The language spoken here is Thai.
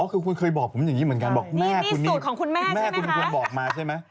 คุณเคยบอกผมอย่างนี้เหมือนกันบอกแม่คุณคุณควรบอกมาใช่ไหม